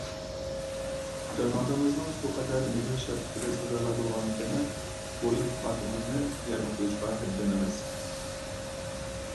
جانابىڭىزنىڭ شۇ قەدەر مېھىر - شەپقىتىگە سازاۋەر بولغانىكەنمەن، بۇ ئىلتىپاتىڭىزنى يەردە قويۇشقا ھەددىم ئەمەس.